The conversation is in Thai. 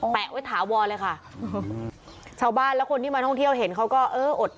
ไว้ถาวรเลยค่ะชาวบ้านและคนที่มาท่องเที่ยวเห็นเขาก็เอออด